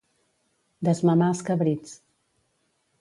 Desmamar els cabrits.